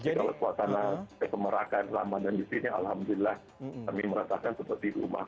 tapi kalau kekuatan kekemerakan lama dan di sini alhamdulillah kami merasakan seperti rumah